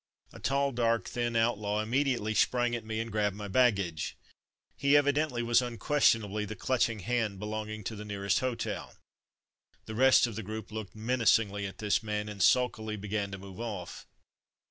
A tall, dark, thin outlaw im mediately sprang at me, and grabbed my baggage. He evidently was unquestion ably the clutching hand belonging to the nearest hotel. The rest of the group looked menacingly at this man, and sullenly began to move off.